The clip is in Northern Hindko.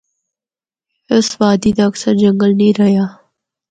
اس وادی دا اکثر جنگل نیں رہیا۔